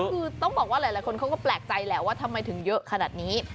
คือต้องบอกว่าหลายคนเขาก็แปลกใจแหละว่าทำไมถึงเยอะขนาดนี้